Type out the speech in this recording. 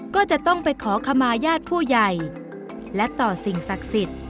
ก็จะต้องไปขอขมาญาติผู้ใหญ่และต่อสิ่งศักดิ์สิทธิ์